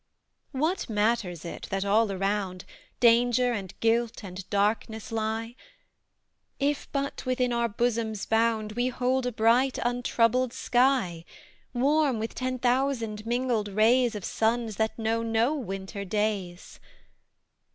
What matters it, that all around Danger, and guilt, and darkness lie, If but within our bosom's bound We hold a bright, untroubled sky, Warm with ten thousand mingled rays Of suns that know no winter days?